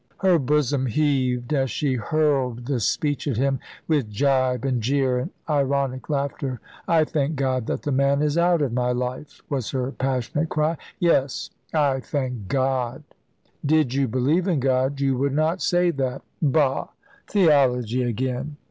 Her bosom heaved as she hurled this speech at him, with gibe and jeer and ironic laughter. "I thank God that the man is out of my life," was her passionate cry. "Yes I thank God." "Did you believe in God you would not say that." "Bah! Theology again."